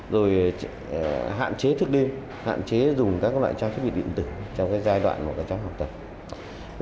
rồi hạn chế thức đêm hạn chế dùng các loại cháo chế biệt điện tử trong giai đoạn học tập